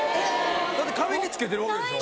壁につけてるわけでしょ。